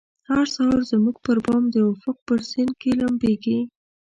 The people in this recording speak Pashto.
هر سهار زموږ پربام د افق په سیند کې لمبیږې